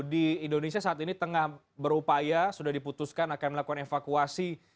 di indonesia saat ini tengah berupaya sudah diputuskan akan melakukan evakuasi